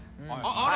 あれ？